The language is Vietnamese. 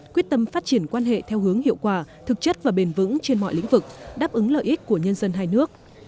quyết tâm phát triển quan hệ theo hướng hiệu quả thực chất và bền vững trên mọi lĩnh vực đáp ứng lợi ích của nhân dân hai nước